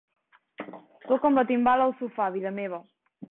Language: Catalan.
Toca'm la timbala al sofà, vida meva.